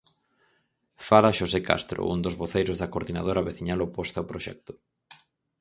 Fala Xosé Castro, un dos voceiros da coordinadora veciñal oposta ao proxecto.